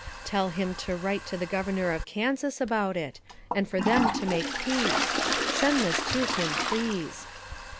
"Tell him to write to the Governor of Kansas about it, and for them to make peace. Send this to him, please.